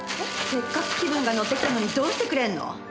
せっかく気分が乗ってきたのにどうしてくれんの！？